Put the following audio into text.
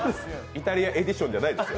イタリアエデションじゃないです。